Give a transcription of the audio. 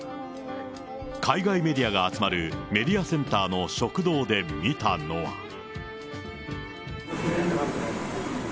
海外メディアが集まるメディアセンターの食堂で見たのは。